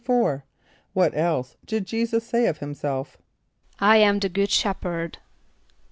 "= =4.= What else did J[=e]´[s+]us say of himself? ="I am the good shepherd."